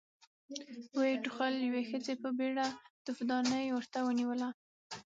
ويې ټوخل، يوې ښځې په بيړه توفدانۍ ورته ونېوله.